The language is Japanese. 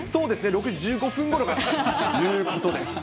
６時１５分ごろからということです。